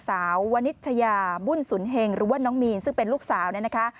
สาววนิชยาบุญสุนเฮงหรือว่าน้องมีนซึ่งเป็นลูกสาวเนี่ยนะคะ